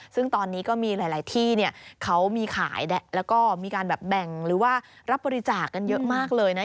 ซึ่งตอนนี้ก็มีหลายที่เขามีขายแล้วก็มีการแบบแบ่งหรือว่ารับบริจาคกันเยอะมากเลยนะ